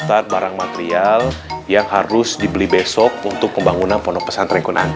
ini bagus silahkan dilihat kompani profil perusahaan kami